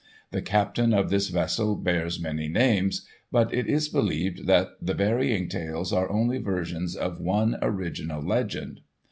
The captain of this vessel bears many names, but it is believed that the varying tales are only versions of one original legend.